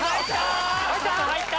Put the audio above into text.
入った！